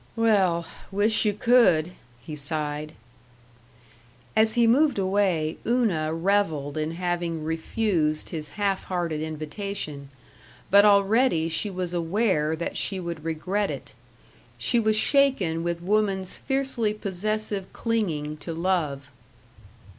"Well wish you could," he sighed. As he moved away Una reveled in having refused his half hearted invitation, but already she was aware that she would regret it. She was shaken with woman's fiercely possessive clinging to love.